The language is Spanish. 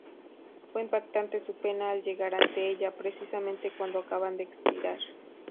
Fue impactante su pena al llegar ante ella, precisamente cuando acababa de expirar.